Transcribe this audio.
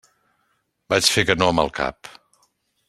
Vaig fer que no amb el cap.